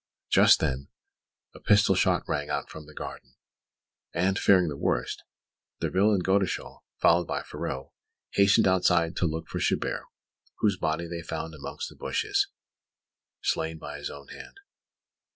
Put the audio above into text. Just then, a pistol shot rang out from the garden; and, fearing the worst, Derville and Godeschal, followed by Ferraud, hastened outside to look for Chabert, whose body they found amongst the bushes, slain by his own hand.